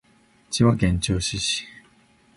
千葉県銚子市